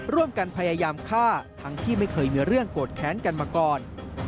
ร่วมกันพยายามฆ่าทั้งที่ไม่เคยมีเรื่องโกรธแค้นกันมาก่อน